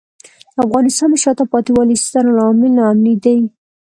د افغانستان د شاته پاتې والي یو ستر عامل ناامني دی.